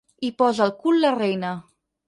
Hi posa el cul la reina.